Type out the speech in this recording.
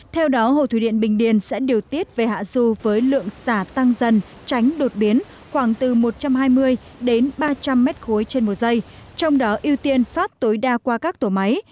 theo đó hồ thủy điện bình điền sẽ điều tiết về hạ du với lượng xả tăng dần tránh đột biến khoảng từ một trăm hai mươi đến ba trăm linh mét khối trên một giây trong đó ưu tiên phát tối đa qua các tổ máy